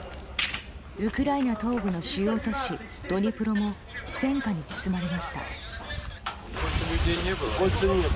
ウクライナ東部の主要都市ドニプロも戦火に包まれました。